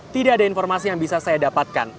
tidak ada informasi yang bisa saya dapatkan